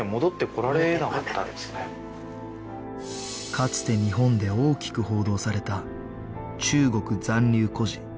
かつて日本で大きく報道された中国残留孤児